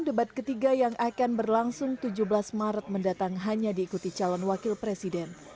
debat ketiga yang akan berlangsung tujuh belas maret mendatang hanya diikuti calon wakil presiden